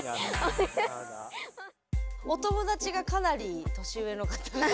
お友達がかなり年上の方が多い。